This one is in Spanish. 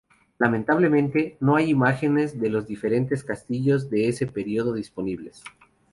Lamentablemente, no hay imágenes de los diferentes castillos de este período disponibles.